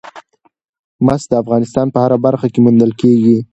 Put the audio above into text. مس د افغانستان په هره برخه کې موندل کېږي.